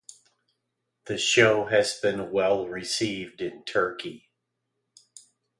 The show has been well received in Turkey.